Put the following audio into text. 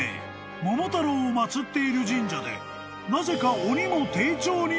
［桃太郎を祭っている神社で］